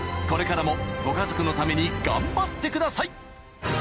これからもご家族のために頑張ってください］